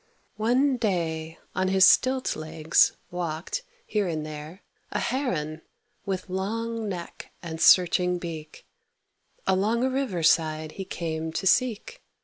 One day, on his stilt legs, walked, here and there, A Heron, with long neck and searching beak; Along a river side he came to seek.